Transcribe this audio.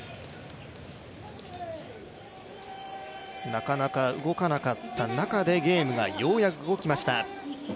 なかなか動かなかった中でゲームがようやく動きました。